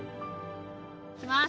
いきます。